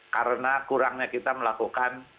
karena kurangnya kita melakukan